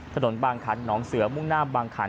ถนนบางขันหนองเสือมุ่งหน้าบางขัน